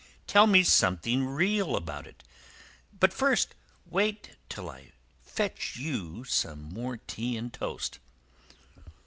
Tell me something real about it. But first wait till I fetch you some more tea and toast."